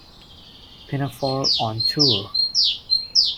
Pinafore on tour.